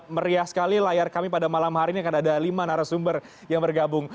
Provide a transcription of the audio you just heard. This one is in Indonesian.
meriah sekali layar kami pada malam hari ini akan ada lima narasumber yang bergabung